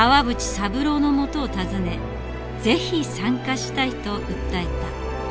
三郎のもとを訪ね是非参加したいと訴えた。